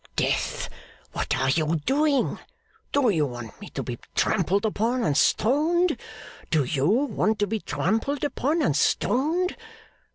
'Death! what are you doing? Do you want me to be trampled upon and stoned? Do you want to be trampled upon and stoned?